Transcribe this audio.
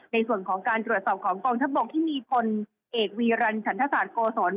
ในส่วนของการตรวจสอบของกองทัพบกที่มีพลเอกวีรันฉันทศาสตร์โกศล